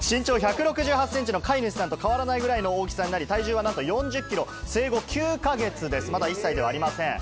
身長１６８センチの飼い主さんと変わらないぐらいの大きさになり、体重なんと４０キロ、まだ１歳ではありません。